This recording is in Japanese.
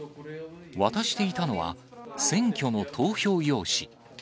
渡していたのは、選挙の投票用紙。